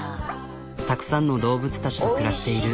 たくさんの動物たちと暮らしている。